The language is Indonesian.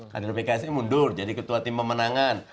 kader pks ini mundur jadi ketua tim pemenangan